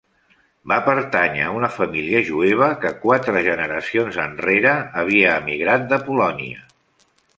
Va pertànyer a una família jueva que quatre generacions enrere havia emigrat de Polònia.